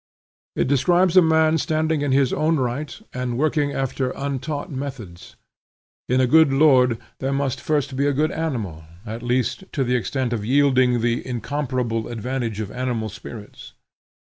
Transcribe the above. It describes a man standing in his own right and working after untaught methods. In a good lord there must first be a good animal, at least to the extent of yielding the incomparable advantage of animal spirits.